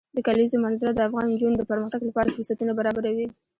د کلیزو منظره د افغان نجونو د پرمختګ لپاره فرصتونه برابروي.